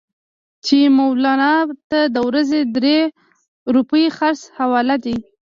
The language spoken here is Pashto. چې مولنا ته د ورځې درې روپۍ خرڅ حواله دي.